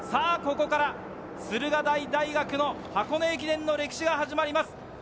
ここから駿河台大学の箱根駅伝の歴史が始まります。